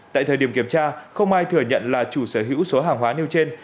tại thời điểm kiểm tra không ai thừa nhận là chủ sở hữu số hàng hóa nêu trên